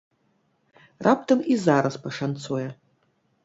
Раптам і зараз пашанцуе?